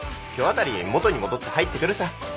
今日あたり元に戻って入ってくるさ。